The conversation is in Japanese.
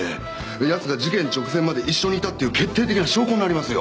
奴が事件直前まで一緒にいたっていう決定的な証拠になりますよ。